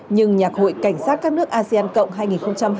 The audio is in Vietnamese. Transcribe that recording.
nhưng nhạc hội cảnh sát các nước asean cộng hai nghìn hai mươi